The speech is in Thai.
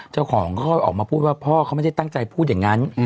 เจ้าของเขาค่อยออกมาพูดว่าพ่อเขาไม่ได้ตั้งใจพูดอย่างนั้น